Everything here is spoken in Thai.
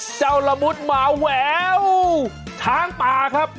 ละมุดหมาแหววช้างป่าครับ